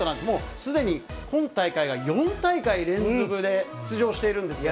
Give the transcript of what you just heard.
すでに今大会は４大会連続で出場しているんですよね。